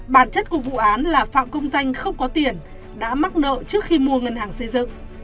bản chất của vụ án là phạm công danh không có tiền đã mắc nợ trước khi mua ngân hàng xây dựng